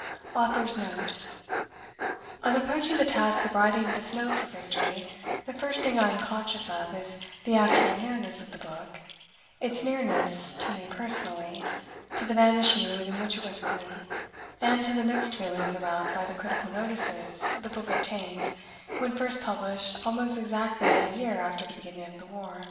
J. C. AUTHOR'S NOTE On approaching the task of writing this Note for Victory, the first thing I am conscious of is the actual nearness of the book, its nearness to me personally, to the vanished mood in which it was written, and to the mixed feelings aroused by the critical notices the book obtained when first published almost exactly a year after the beginning of the war.